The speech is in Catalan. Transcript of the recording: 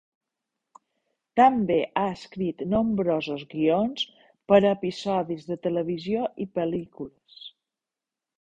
També ha escrit nombrosos guions per a episodis de televisió i pel·lícules.